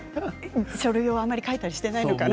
書類をあまり書いたりしていないのかな。